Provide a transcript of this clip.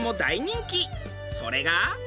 それが。